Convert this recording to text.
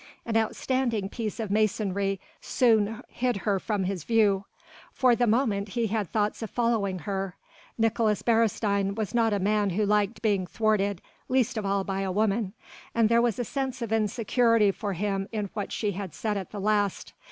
An outstanding piece of masonry soon hid her from his view. For the moment he had thoughts of following her. Nicolaes Beresteyn was not a man who liked being thwarted, least of all by a woman, and there was a sense of insecurity for him in what she had said at the last.